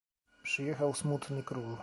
"Przyjechał smutny król."